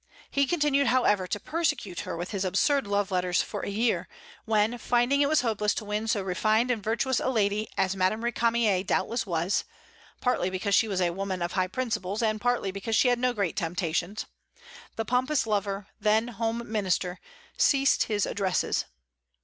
He continued, however, to persecute her with his absurd love letters for a year, when, finding it was hopeless to win so refined and virtuous a lady as Madame Récamier doubtless was, partly because she was a woman of high principles, and partly because she had no great temptations, the pompous lover, then Home Minister, ceased his addresses.